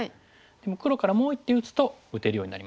でも黒からもう１手打つと打てるようになります。